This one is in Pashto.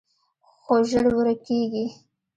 خو ژر ورکېږي